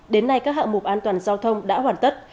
đến nay các hạng mục an toàn giao thông đã hoàn tất